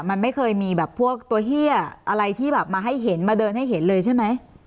มันไม่เคยมีแบบพวกตัวเฮียอะไรที่แบบมาให้เห็นมาเดินให้เห็นเลยใช่ไหม